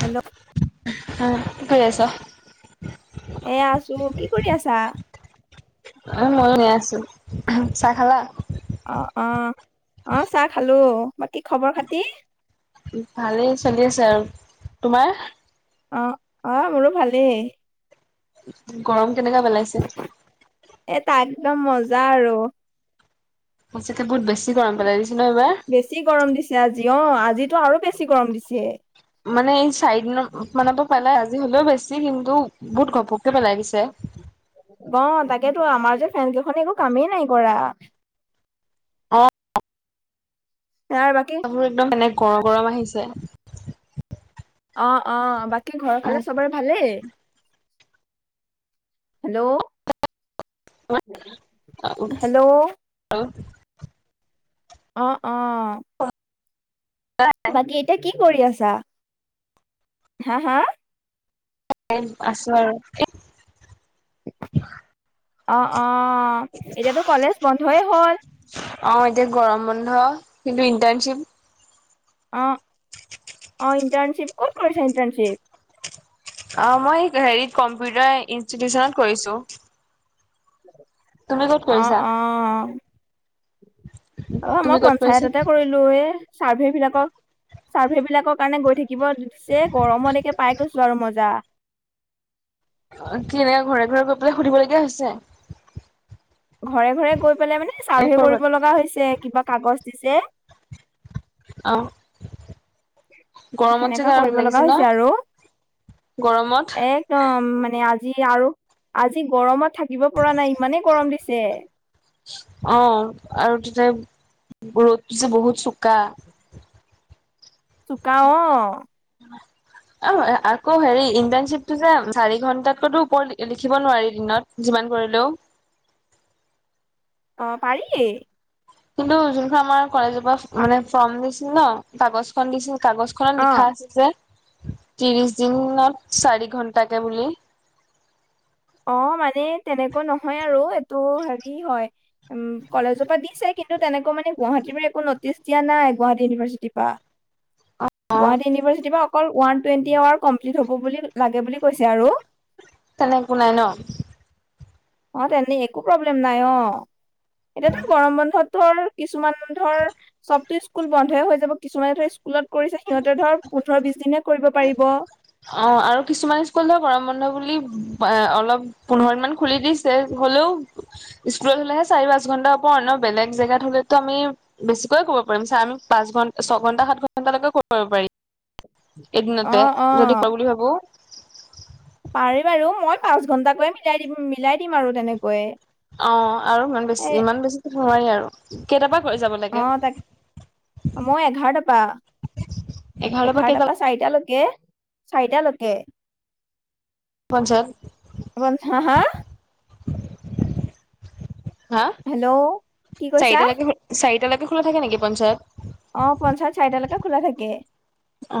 Hello কি কৰি আছ? এয়া আছো, কি কৰি আছা? অ', ময়ো এনে আছো চাহ খালা। অ', অ', অ', চাহ খালো। বাকী খবৰ খাতি? ভালেই চলি আছে আৰু তোমাৰ? অ', অ', মোৰো ভালেই। গৰম কেনেকা পেলাইছে। এ তাই একদম মজা আৰু। সঁচাকে বহুত বেছি গৰম পেলাই দিছে ন এইবাৰ অহ, আজিতো আৰু বেছি গৰম দিছে। মানে এই চাৰিদনৰ মানৰ পৰা পালে আজি হলেও বেছি কিন্তু বহুত ঘপককে পেলাই দিছে। গ তাকেতো আমাৰ যে ফেন কেইখনে একো কামেই নাই কৰা। অহ। তাৰ বাকী বতাহ বোৰ একদম এনে গৰ গৰম আহিছে। অ', অ', বাকী ঘৰৰ ফালে চবৰে ভালেই। হেল্ল'। হেল্ল'। [inaudible] অ', অ'। বাকী এতিয়া কি কৰি আছা হা, হা [unintelligible] আছো আৰু। অ', অ', এতিয়াতো কলেজ বন্ধয়ে হ'ল। অ', এতিয়া গৰম বন্ধ কিন্তু ইণ্টাৰ্ণশ্বিপ। অ', অ', ইণ্টাৰ্ণশ্বিপ ক'ত কৰিছে ইণ্টাৰ্ণশ্বিপ। অ', মই হেৰিত কম্পিউটাৰ ইনষ্টিটিউচনত কৈছো। অ', অ'। অ', তুমি মই ক'ত কৰিছা? পঞ্চায়ততে কৰিলো এই চাৰ্ভে বিলাকক চাৰ্ভে বিলাকৰ কাৰণে গৈ থাকি থাকিব দিছে গৰমত একে পাই কৈছো আৰু মজা। কেনেকে ঘৰে ঘৰে গৈ পেলাই সুধিবলগীয়া হৈছে। ঘৰে ঘৰে গৈ পেলাই মানে চাৰ্ভে কৰ'বাত কৰিব লগা হৈছে কিবা কাগজ দিছে। অম। সেনেকা কৰিব লগা ন হৈছে আৰু। গৰমত একদম মানে আজি যি আৰু আজি গৰমত থাকিব পৰা নাই ইমানেই গৰম দিছে। অ', আৰু তাতে ৰ'দ যে বহুত চোকা। চোকা অ'। অ', আকৌ হেৰি ইণ্টাৰ্ণশ্বিপতটো যে চাৰি ঘন্টাতকৈতো ওপৰ লিখিব নোৱাৰি দিনত যিমান কৰিলেও। [inaudible] অহ পাৰি এ কিন্তু যোনখন আমাৰ কলেজৰ পৰা মানে ফৰ্ম দিছিল ন কাগজ খন দিছিল। কাগজ খত অ'। লিখা আছে যে ত্ৰিশ দিনত চাৰি ঘন্টাকে বুলি অ', মানে তেনেকৈ নহয় আৰু এইটো হেৰি হয় উ কলেজৰ পৰা দিচে কিন্তু তেনেকুৱা মানে গুৱাহাটীৰ পৰা একো নটিচ দিয়া নাই গুৱাহাটী ইউনিভাৰ্চিটিৰ পৰা অ অ গুৱাহাটী ইউনিভাৰ্চিটি প অকল ওৱান টুৱেন্টি আৱাৰ কমপ্লিট হ'ব বুলি লাগে বুলি কৈছে আৰু তেনেক একো নাই ন। অ', তেনে একো প্ৰব্লেম নাই অ', এতিয়াতো গৰম বন্ধত ৰ কিছুমান ধৰ চবতো স্কুল বন্ধই হৈ যাব কিছুমানে স্কুল স্কুলত কৰিছে সিহঁতে ধৰ পোন্ধৰ বিশ দিনেহে কৰিব পাৰিব। অ' আৰু কিছুমান স্কুল ধৰ গৰম বন্ধ বুলি অলপ পোন্ধৰ দিন মান খুলি দিছে। হলেও স্কুলত হ'লেহে চাৰি পাঁচ ঘন্টা ওপৰ ন' বেলেগ জেগাত হ'লেতো আমি বেছিকয়ে ক'ব ছ আমি পাঁচ ঘটা, ছঘন্টা, সাত ঘণ্টালৈকে কৰিব কৰিব পাৰিম। এদিনতে যদি কৰোঁ বুলি ভাবোঁ। পাৰে বাৰু, মই পাঁচ ঘন্টাকৈয়ে মিলাই দিম মিলাই দিম আৰু তেনেকৈয়ে। অ' আৰু ইমান বেছি ইমান বেছি নোৱাৰি আৰু কেইটাপা অ' তাক, মই এঘাৰটাপা। এঘাৰটাৰ পৰা কেইটা এঘাৰটাৰপা চাৰিটালৈকে চাৰিটালৈকে। পঞ্চায়ত হা হা? হা? হেল্ল' কি কৈছা চাৰিটালৈকে চাৰিটালৈকে খোলা থাকে নেকি পঞ্চায়ত? অ' পঞ্চায়ত চাৰিটালৈকে খোলা থাকে। অ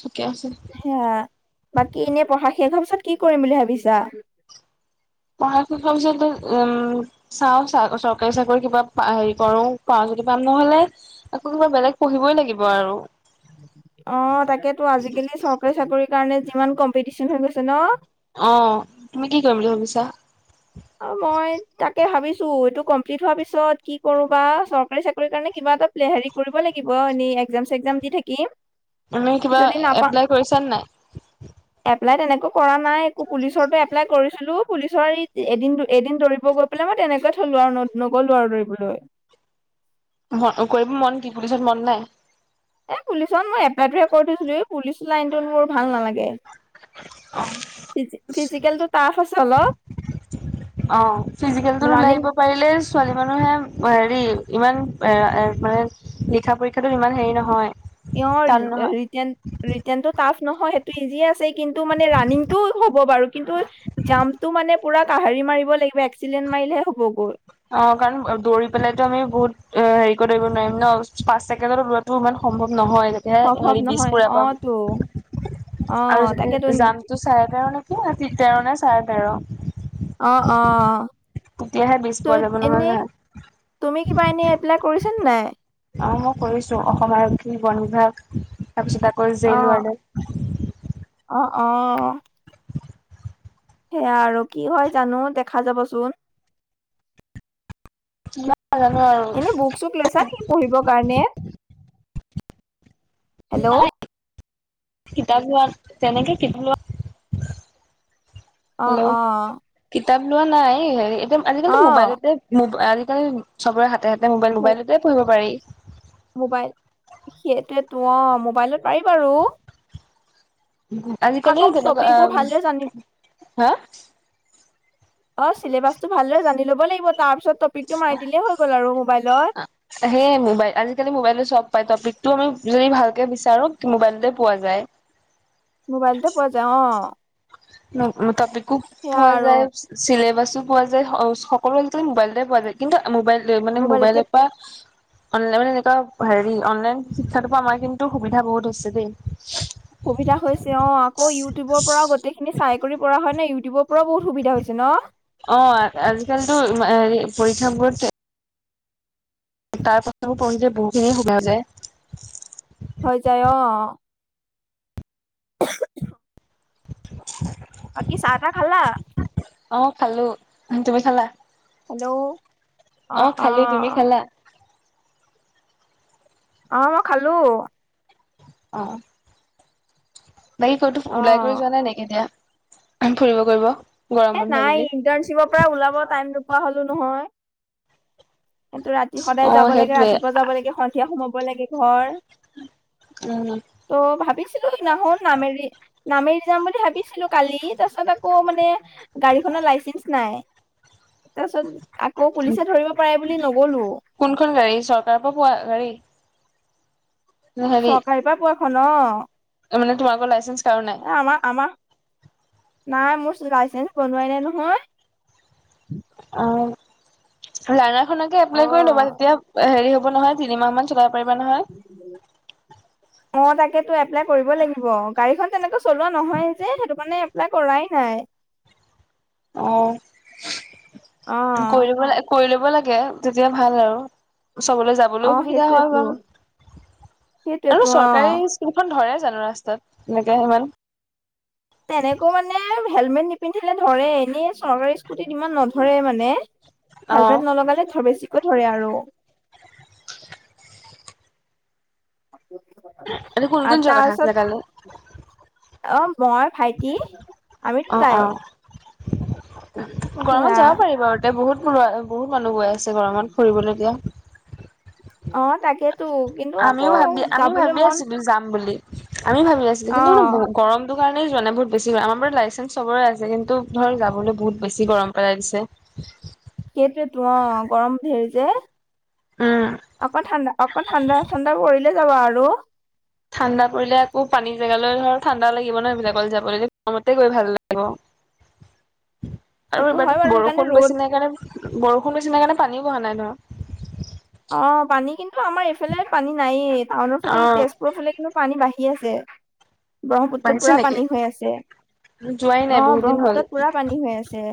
ঠিকে আছে হেয়া, বাকী এনেই পঢ়া শেষ হোৱাৰ পিছত কি কৰিম বুলি ভাবিছা? পঢ়া শেষ হোৱাৰ পিছত উম, চাও চৰকাৰী চাকৰি কিবা হেৰি কৰোঁ পা কুটি পাম নহ'লে আকৌ কিবা বেলেগ পঢ়িবই লাগিব আৰু অ' তাকেইতো আজিকালি চৰকাৰী চাকৰি কাৰণে যিমান কম্পিটিচন হৈ গৈছে ন'? অ'। তুমি কি কৰিম বুলি ভাবিছা? অ মই তাকে ভাবিছোঁ, এইটো কমপ্লিট হোৱাৰ পিছত কি কৰোঁ বা চৰকাৰী চাকৰিৰ কাৰণে কিবা এটা প্লে হেৰি কৰিব লাগিব। কিব এক্সাম চেগজাম দি থাকিম। এনে কিবা যদি নাপা এপ্লাই কৰিছানে নাই? এপ্লাই তেনেকৈ কৰা নাই, একো পুলিচৰো এপ্লাই কৰিছিলো পুলিচৰ ইত এদিন এদিন দৌৰিব গৈ পেলাই মই তেনেকৈ থলো আৰু ন' নগ'লো আৰু দৌৰিবলৈ। ম কৰিব মন কি পুলিচত মন নাই? এ, পুলিচত মই এপ্লাইটো কৰি থৈছিলো, এই পুলিচ লাইনটোত মোৰ ভাল নালাগে। ফিজে-ফিজিকেলটো টাফ আছে অলপ। অ' ফিজিকেলটোত ওলাই ৰানিং আহিব পাৰিলে ছোৱালী মানুহে হেৰি ইমান এ, এ, মানে লিখা পৰীক্ষাতো ইমান হেৰি নহয়। ইহল টান নহয় ৰিটেনটো টাফ নহয় সেইটো ইজিয় আছে। কিন্তু মানে ৰাণিংটো হ'ব বাৰু কিন্তু জাম্পটো মানে পুৰা কাহাৰি মাৰিব লাগিব, এক্সডেণ্ট মাৰিলে অ' কাৰণ দৌৰি পেলাইতো আমি বহুত অ' হেৰি কৰিব নোৱাৰিম ন' পাঁচ ছেকেণ্ডত লোৱাটো ইমান সম্ভৱ নহয় তেতিয়াহে সম্ভৱ হেৰি বিজ নহয় পুৰে অ তো অ পাম। আৰু তাকেতো যদি জামটো চাৰে তেৰ নেকি হ তেৰ নে চাৰে তেৰ? অ', অ', অ'। তেতিয়াহে বিজ পোৱা ত' যাব নহ'লে এনেই নাই। তুমি কিবা এনে এপ্লাই কৰিছা নে নাই? অ' মই কৰিছোঁ, অসম আৰক্ষী, বন বিভাগ। তাৰপিছত আকৌ অ', জেইলোৱানে। অ', অ'। [inaudible] সেয়া আৰু কি হয় জানো দেখা যাবচোন। কিমান নাজানো আৰু এনে বুক চুক লৈছা নেকি পঢ়িবৰ কাৰণে? হেল্ল' নাই কিতাপ লোৱাৰ তেনেকে কিতাপ লোৱা অ', হেল্ল' অ'। কিতাপ লোৱা নাই হেৰি এতিয়া আজিকালিতো অ', মোবাইলতে আজিকালি চবৰে হাতে হাতে মোবাই মো- মোবাইলতে পঢ়িব পাৰি। মোবাইল সেইটোৱতো। অ' মোবাইলত পাৰি বাৰু। আজিকালি আকৌ তে, টপিক বোৰ ভালদৰে জানি হা অ' চেলেবাচটো ভালদৰে জানি লব লাগিব তাৰ পিছত টপিকটো মাৰি দিলেই হৈ গ'ল আৰু মোবাইলত। সেই মোবাইল আজিকালি মোবাইলো চব পাই টপিক আমি যদি ভালকে বিচাৰো মোবাইলতে পোৱা যায়। মোবাইলতে পোৱা যায় অ'। টপিকো সেয়া পোৱা আৰু যায় চিলেবাছ পোৱা যায় সকলো আজিকালি মোবাইলতে পোৱা যায় কিন্তু মোবাইল মানে মোবাইলতে মোবাইলৰ পৰা অনলাইন মানে এনেকুৱা হেৰি অনলাইন শিক্ষাৰ পৰা আমাৰ কিন্তু সুবিধা বহুত হৈছে দেই। সুবিধা হৈছে অ', আকৌ ইউটিউবৰ পৰাও গোটেইখিনি চাই কৰি পৰা হয় নে ইউটিউবৰ পৰাও বহুত সুবিধা হৈছে ন। অ' আজিকালিতো পৰীক্ষা বোৰত তাৰ পৰাতো পঢ়িলে যে বহুখিনি সময় যায়। হৈ যায় অ'। [inaudible] বাকি চাহ তাহ খালা? অ, খালো তুমি খালা? হেল্ল'। অ, খালো তুমি খালা? অ' মই খালো। অঁ। বাকী কতো অ'। ওলাই কৰি যোৱা নাই নেকি এতিয়া ফুৰিব কৰিব। গৰম এ বন্ধ নাই বুলি ইন্টাৰ্ণশ্বিপৰ পৰা ওলাব টাইম নোপোৱা হলো নহয়। এটো ৰাতি সদায় অ যাব লাগে সেইটোৱে ৰাতিপুৱা যাব লাগে সন্ধিয়া সোমাব লাগে ঘৰ। উম ত' ভাবিছিলো সেইদিনাখন নামেৰি নামেৰি যাম বুলি ভাবিছিলো কালি তাৰ পিছত আকৌ মানে গাড়ীখনৰ লাইচেন্ঞ্চ নাই তাৰপিছত আকৌ পুলিচে ধৰিব পাৰে বুলি নগলো। কোনখন গাড়ী চৰকাৰৰ পৰা পোৱা গাড়ী হেৰি চৰকাৰীৰ পৰা [unintelligible] মানে তোমালোকৰ লাইচেঞ্চ এ', আমা আমা নাই মোৰ লাইচেঞ্চ বনোৱাই নাই নহয়। লাৰ্ণাৰ খনকে এপ্লাই কৰি অ'। ল'বা তেতিয়া হেৰি হ'ব নহয় তিনিমাহ মান চলাই পাৰিবা নহয়। অ' তাকে তো এপ্লাই কৰিব লাগিব গাড়ীখন তেনেকে চলোৱা নহয় যে সেইটো কাৰে এপ্লাই কৰাই নাই। হয়। অ অ' কৰিব ল কৰি ল লাগে তেতিয়া ভাল আৰু। চবলৈ অ যাবলৈও সুবিধা হয় সেইটোয়েতো বা আৰু সেইটোয়েতো অ চৰকাৰী স্কুলখন ধৰে। জানো ৰাস্তাত এনেকে সিমান। তেনেকৈ মানে হেলমেট নিপিন্ধিলে ধৰে এনেই চৰকাৰী স্কুটিত ইমান নধৰে মানে অ হেলমেট নলগালে বেছিকৈ ধৰে আৰু। এইটো কোন আৰু কোন যোৱা কথা তাৰপিছত আছিলে কাললৈ। অ, মই ভাইটি আমি অ দুইটাই। অ গৰমত যাব পাৰিব আৰু এয়া বহুত বহুত মানুহ গৈ আছে গৰমত ফুৰিবলগীয়া। অ' তাকেইেতো কিন্তু আমিও আকৌ ভাবি আমি যাবলৈ ভাবি মন আছিলো যাম বুলি আমি ভাবি আছিলো অ কিন্তু মানে গৰম এইটো কাৰণেই যোৱা নাই বহুত বেছি গৰম আমাৰ লাইচেঞ্চ চবৰে আছে কিন্তু ধৰক যাবলৈ বহুত বেছি গৰম পেলাই দিছে। সেইটোৱে তো অ', গৰমত হেৰি যে উম অকণ ঠাণ্ডা অকণ ঠাণ্ডা ঠাণ্ডা পৰিলে যাবা আৰু। ঠাণ্ডা পৰিলে আকৌ পানী জেগালৈ ধৰ ঠাণ্ডা লাগিব ন যাবলৈ গৰমতে গৈ ভাল লাগিব। [inaudible] আৰু সেইটো হয় বাৰু এইবাৰটো কাৰণে বৰষুণ ৰ'দ বেছি নাই কাৰণে বৰষুণ বেছি নাই কাৰণে পানী বহা নাই ধৰক। অ পানী কিন্তু আমাৰ এইফালে পানী নায়ে, টাউনৰ অ ফালে কি তেজপুৰৰ ফালে কিন্তু পানী বাঢ়ি আছে ব্ৰহ্মপুত্ৰত বাঢ়িছে পুৰা নেকি পানী হৈ আছে। যোৱাই নাই অহ বহুত দিন হ'ল ব্ৰহ্মপুত্ৰত পুৰা পানী হৈ আছে।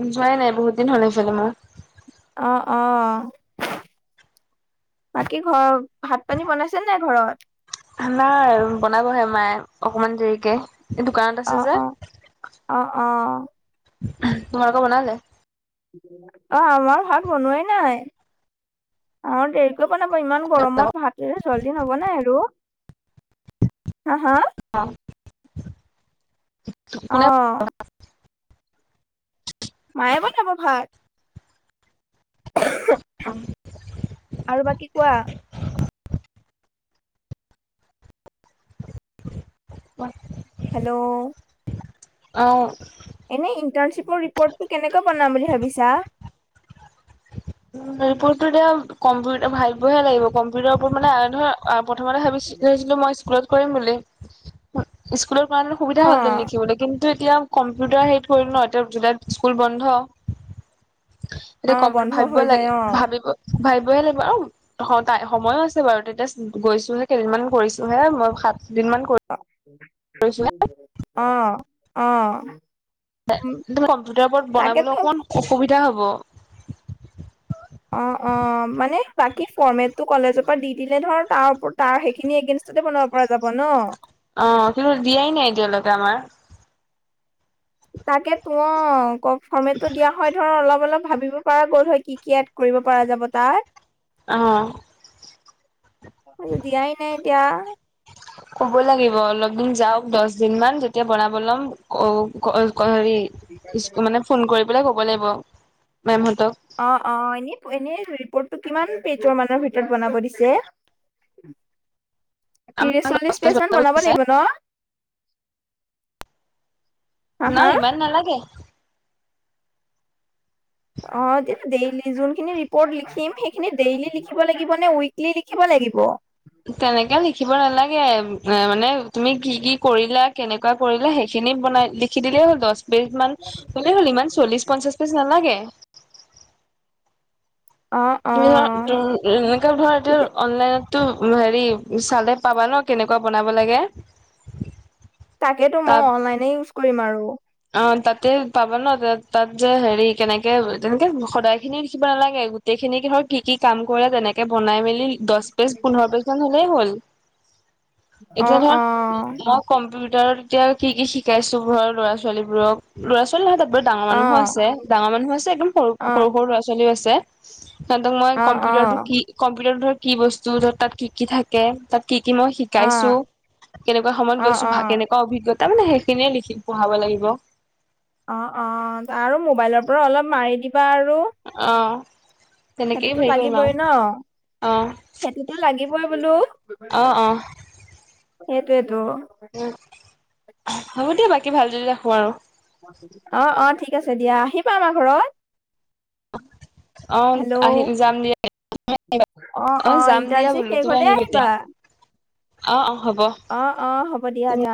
যোৱাই নাই বহুত দিন হ'লে সেইফালে মই। অহ অহ। বাকী ঘৰ, ভাত পানী বনাইছে নে ঘৰত। নাই বনাবহে মায়ে অকমান দেৰিকে। এই দোকানত আছে অ' অ' যে। অ' অ' তোমালোকৰ বনালে? অ আমাৰ ভাত বনোৱাই নাই, আমাৰ দৰি বনাব, ইমান গৰমত ভাতে জল্দি নবনাই আৰু। হা হা অ অ' [unintelligible] [inaudible] মায়ে বনাব ভাত। আৰু বাকী কোৱা? [unintelligible] হেল্ল' অহ। এনে ইন্টাৰণশ্বিপৰ ৰিপৰ্টটো কেনেকৈ বনাম বুলি ভাবিছা? উ ৰিপটো এতিয়া কম্পিউাৰ, ভাবিবহে লাগিব। কম্পিউটাৰৰ ওপৰত মানে ধৰা প্ৰথমতে ভাবি ছিলো মই স্কুলত কৰিম বুলি। স্কুলৰ কাৰহেতেন সুবিধা হ'লতেন অ' লিখিবলৈ। কিন্তু এতিয়া কম্পিউটাৰ হেৰি কৰিল ন এতিয়া জুলাইত স্কুল বন্ধ। এতিয়া অ' কম্প বন্ধ ভাবিব হৈ লাগে যায় অ' ভাবিব। ভাবিবই লাগিব আৰু, এসপ্তাহ সময়ো আছে বাৰু, এতিয়া গৈছোহে কেইদিনমানান কৰিছো হে মই দিন মান কৰিছোহে অহ অহ। কম্পিউটাৰৰ ওপৰত বনাবলৈ অকমান অসুবিধা হ'ব। অ অ মানে বাকী ফৰ্মেটটো কলেজত দি দিলে ধৰ তাৰ ওপ তাৰ সেইখিনি এগেনষ্টতে বনাব পৰা যাব ন। অ কিন্তু দিয়াই নাই এতিয়ালৈকে আমাৰ। তাকে [unintelligible] ফৰ্মেটটো দিয়া হয় ধৰ অলপ অলপ ভাবিব পৰা গ'ল হয় কি কি এড কৰিব পৰা যাব তাত। আহ। দিয়াই নাই এতিয়া। ক'ব লাগিব, অলপ দিন যাওক দহ দিন মান যেতিয়া বনাব ল'ম ক হেৰি ইছ মানে ফোন কৰি পেলাই ক'ব লাগিব। মেমহঁতক অ অ এনে এনেই ধৰি কিমান পেজৰ মানৰ ভিতৰত বনাব দিছে? আমাক ত্ৰিশ দহ চল্লিশ পেজ মান বনাব দিছে লাগিব ন? হা হা নাই ইমান নালাগে। অ [unintelligible] যোনখিন ৰিপৰট লিখিম সেইখিন ডেইলি লিখ লাগিব নে উইলি লিখ লাগ [inaudible] তেনেকে লিকিব নালাগে, এ মানে তুমি কি কি কৰিলা কেনেকুৱা কৰিলা সেইখিনি বনাই লিখি দিলেই হ'ল, দহ-বিজ মান হ'লেই হ'ল, ইমান চল্লিশ-পঞ্চাশ পেজ নালাগে। অ', [unintelligible] অ', তেতিয়া- অনলাইনতো হেৰি চালে পাবা ন কেনেকুৱা বনাব লাগে। তাকেতো মই তাত অনলাইনে ইউজ কৰিম আৰু। অ তকেই পাবা ন তাত যে হেৰি কেনেকে তেনেকে সদায় খিনিও লিখিব নালাগে, গোটেই খিনিৰ কি কি কি কাম কৰা যেনেকে বনাই মেলি দহ পেজ পোন্ধৰ পেজ মান হলেই হ'ল। অ এতিয়া ধৰা অ মই কম্পিউ তেতিয়া কি কি শিকাইছো ঘৰৰ ল'ৰা ছোৱালীবোৰক, ল'ৰা ছোৱালী নহয় ত বত, ডাঙৰ অ মানুহো আছে ডাঙৰ মানুহো আছে একদম সৰু অ সৰু, সৰু ল'ৰা ছোৱালীও আছে। সিহঁতক মই অ অ কম্পিউটাৰটো কি কম্পিউটাৰ ধৰ, কি বস্তু ধৰ, তাত কি কি থাকে তাত। কি কি মই অ শিকাইছো অ কেনেকুৱা সময়ত অ গৈছো ভ, কেনেকুৱা অভিজ্ঞতা। তাৰমানে সেইখিনিয়ে লিখি পঢ়াব লাগিব। অ, অ, আৰু মোবাইলৰ পৰা অলপ মাৰি দিবা আৰু। অ তেনেকেই সেইটোতো হেৰি কৰিম লাগিবই আৰু ন। অ সেইটোতো লাগিবই বোলো অ অ সেইটোয়েতো। হ'ব দিয়া বাকী, ভাল যদি ৰাখো আৰু। অ, অ, ঠিক আছে দিয়া আহিবা আমাৰ ঘৰত। অ, হেল্ল' আহিম, যাম দিয়া। অ, যাম দিয়া ইণ্টাৰ্ণশ্বিপ বোলো, শেষ তুমি হলে আহিব এতিয়া আহিবা অ, অ, হ'ব অ, অ, ‌হ'ব দিয়া তুমি যাম।